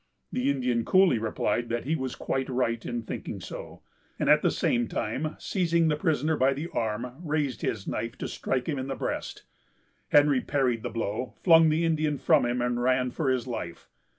The Indian coolly replied that he was quite right in thinking so, and at the same time, seizing the prisoner by the arm, raised his knife to strike him in the breast. Henry parried the blow, flung the Indian from him, and ran for his life.